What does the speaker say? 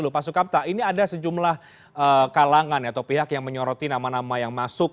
pak sukamta ini ada sejumlah kalangan atau pihak yang menyoroti nama nama yang masuk